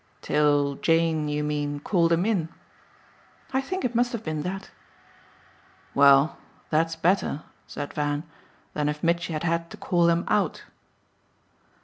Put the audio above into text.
"Till Jane, you mean, called him in?" "I think it must have been that." "Well, that's better," said Van, "than if Mitchy had had to call him out."